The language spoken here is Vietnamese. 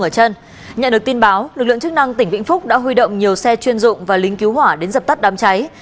các lực lượng chức năng tỉnh vĩnh phúc đã huy động nhiều xe chuyên dụng và lính cứu hỏa đến dập tắt đám cháy